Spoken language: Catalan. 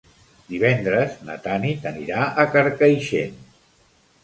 Divendres na Tanit anirà a Carcaixent.